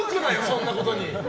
そんなことに。